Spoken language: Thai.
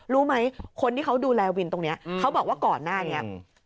รู้ไหมคนที่เขาดูแลวินตรงนี้เขาบอกว่าก่อนหน้านี้